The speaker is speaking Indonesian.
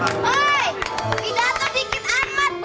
hei pidato dikit amat